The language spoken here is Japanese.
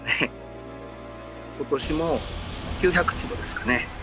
今年も９００坪ですかね